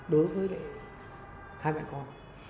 đối với hai mẹ con